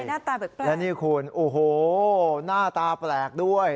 หน้าตาแปลกและนี่คุณโอ้โหหน้าตาแปลกด้วย